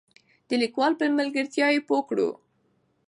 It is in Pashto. د لیکوال په ملګرتیا یې پوره کړو.